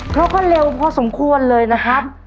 เพราะก็เร็วพอสมควรเลยนะครับ